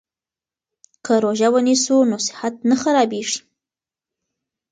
که روژه ونیسو نو صحت نه خرابیږي.